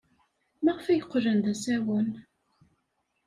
Maɣef ay qqlen d asawen?